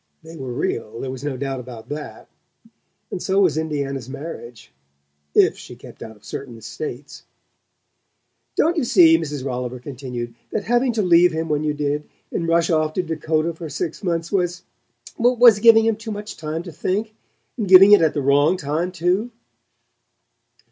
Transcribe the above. They were real; there was no doubt about that. And so was Indiana's marriage if she kept out of certain states. "Don't you see," Mrs. Rolliver continued, "that having to leave him when you did, and rush off to Dakota for six months, was was giving him too much time to think; and giving it at the wrong time, too?"